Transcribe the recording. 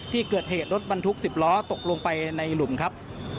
ที่เกิดเหตุรถบรรทุก๑๐ล้อตกลงไปในหลุมครับ